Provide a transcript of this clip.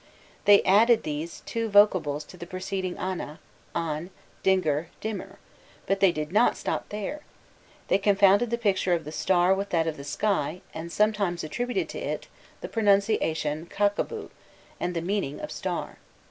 They added these two vocables to the preceding ana, an, dingir, dimir; but they did not stop there: they confounded the picture of the star [symbol] with that of the sky, and sometimes attributed to [symbol], the pronunciation kakkabu, and the meaning of star.